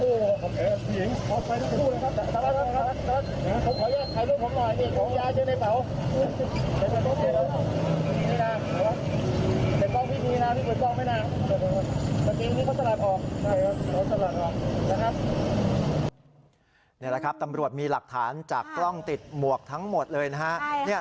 นี่แหละครับตำรวจมีหลักฐานจากกล้องติดหมวกทั้งหมดเลยนะฮะ